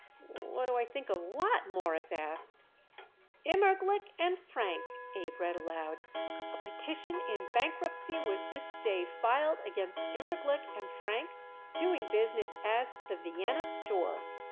"What do I think of what?" Morris asked. "Immerglick & Frank," Abe read aloud. "A petition in bankruptcy was this day filed against Immerglick & Frank, doing business as the 'Vienna Store.'